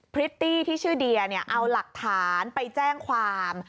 พริตตี้ที่ชื่อเดียเนี่ยเอาหลักฐานไปแจ้งความ